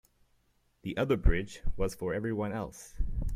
The other bridge was for everyone else.